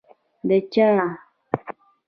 ـ د چا؟!